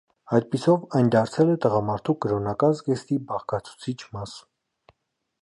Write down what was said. Այդպիսով, այն դարձել է տղամարդու կրոնական զգեստի բաղկացուցիչ մաս։